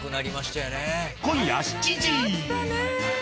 今夜７時。